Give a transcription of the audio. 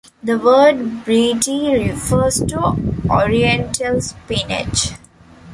The word bredie refers to oriental spinach.